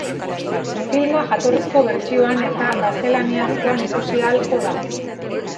Filma jatorrizko bertsioan eta gaztelaniazkoan ikusi ahalko da.